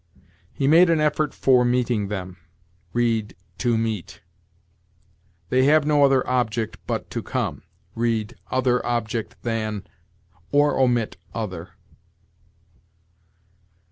"'He made an effort for meeting them': read, 'to meet.' "'They have no other object but to come': read, 'other object than,' or omit 'other.'